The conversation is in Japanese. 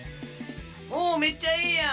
おめっちゃええやん！